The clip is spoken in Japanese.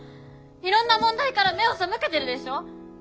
いろんな問題から目を背けてるでしょ！